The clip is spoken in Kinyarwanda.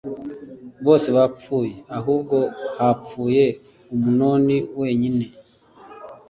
bose bapfuye ahubwo hapfuye amunoni wenyine